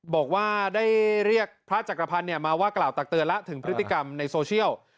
บอกว่าได้เรียกพระจักรพันธ์มาว่ากล่าวตักเตือนแล้วถึงพฤติกรรมในโซเชียล